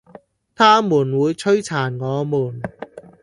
他們會摧殘我們